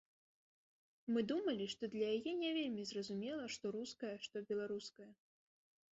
Мы думалі, што для яе не вельмі зразумела, што руская, што беларуская.